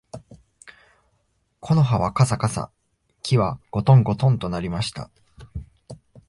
木の葉はかさかさ、木はごとんごとんと鳴りました